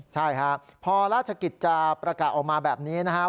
ใช่ครับพอราชกิจจาประกาศออกมาแบบนี้นะครับ